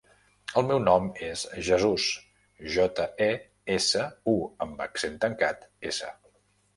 El meu nom és Jesús: jota, e, essa, u amb accent tancat, essa.